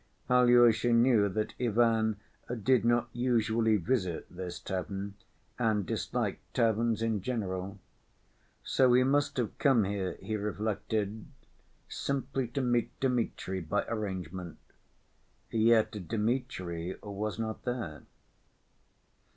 Alyosha knew that Ivan did not usually visit this tavern and disliked taverns in general. So he must have come here, he reflected, simply to meet Dmitri by arrangement. Yet Dmitri was not there.